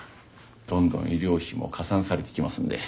どんどん医療費も加算されてきますんで。